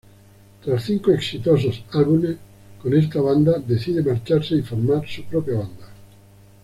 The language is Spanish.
Tras cinco exitosos álbumes con esta banda, decide marcharse y formar su propia banda.